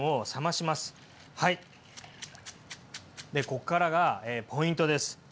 ここからがポイントです。